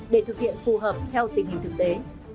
để thực hiện phù hợp theo tình hình thực tế